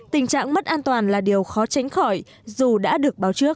tình trạng mất an toàn là điều khó tránh khỏi dù đã được báo trước